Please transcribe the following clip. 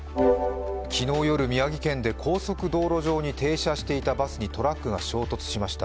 昨日夜、宮城県で高速道路上に停車していたバスにトラックが衝突しました。